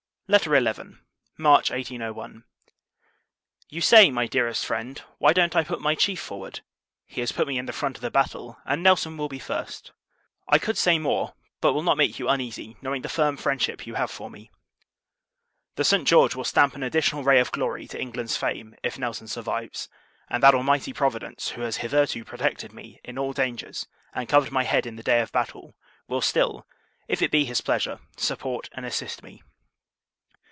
LETTER XI. [March 1801.] You say, my Dearest Friend, why don't I put my Chief forward? He has put me in the front of the battle, and Nelson will be first. I could say more; but will not make you uneasy, knowing the firm friendship you have for me. The St. George will stamp an additional ray of glory to England's fame, if Nelson survives; and that Almighty Providence, who has hitherto protected me in all dangers, and covered my head in the day of battle, will still, if it be his pleasure, support and assist me.